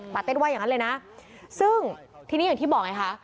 เต้นว่าอย่างนั้นเลยนะซึ่งทีนี้อย่างที่บอกไงคะ